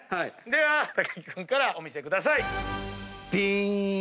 では木君からお見せください。